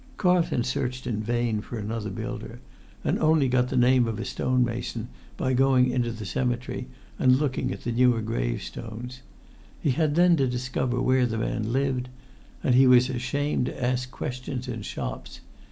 Carlton searched in vain for another builder, and[Pg 104] only got the name of a stonemason by going into the cemetery and looking at the newer gravestones. He had then to discover where the man lived, and he was ashamed to ask questions in shops.